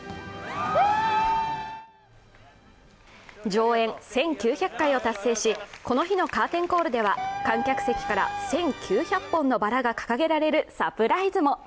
上演１９００回を達成し、この日のカーテンコールでは、観客席から１９００本のバラが掲げられるサプライズも。